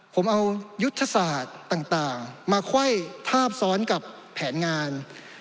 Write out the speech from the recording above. ผมเอายุทธศาสตร์ต่างมาไขว้ภาพซ้อนกับแผนงาน